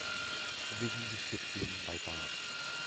Provisions are shipped in by barge.